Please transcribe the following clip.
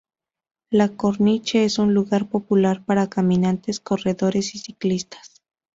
La "Corniche" es un lugar popular para caminantes, corredores y ciclistas.